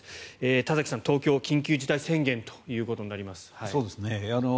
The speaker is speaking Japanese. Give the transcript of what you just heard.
田崎さん、東京緊急事態宣言となります。